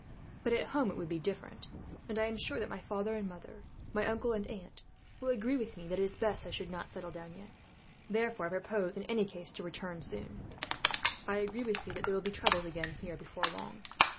But at home it would be different; and I am sure that my father and mother, my uncle and aunt will agree with me that it is best I should not settle down, yet. Therefore I propose, in any case, to return soon. "I agree with you there will be troubles again here, before long.